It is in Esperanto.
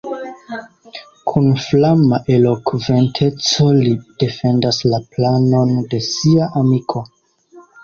Kun flama elokventeco li defendas la planon de sia amiko.